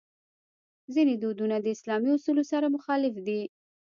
ځینې دودونه د اسلامي اصولو سره مخالف دي.